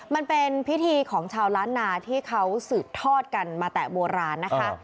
มันเป็นพิธีของชาวล้านนาที่เขาสืบทอดกันมาแต่โบราณนะคะ